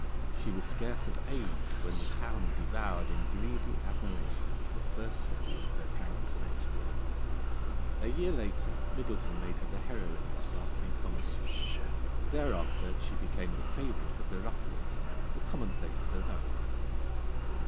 She was scarce of age when the town devoured in greedy admiration the first record of her pranks and exploits. A year later Middleton made her the heroine of a sparkling comedy. Thereafter she became the favourite of the rufflers, the commonplace of the poets.